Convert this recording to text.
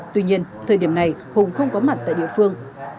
tuy nhiên thời điểm này hùng không có mặt tại địa phương